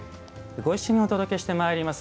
ご一緒にお届けしてまいります